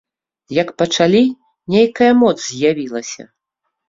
Як пачалі, нейкая моц з'явілася.